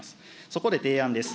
そこで提案です。